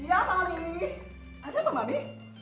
aduh ada apa mami